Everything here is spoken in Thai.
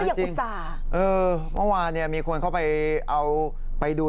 แล้วก็ยังอุสาเออเมื่อวานเนี่ยมีคนเขาไปเอาไปดู